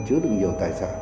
chứa được nhiều tài sản